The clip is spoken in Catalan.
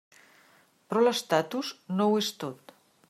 Però l'estatus no ho és tot.